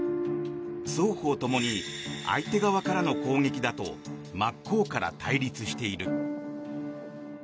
双方ともに相手側からの攻撃だと真っ向から対立している。